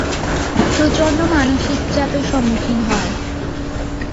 প্রচণ্ড মানসিক চাপের সম্মুখীন হয়।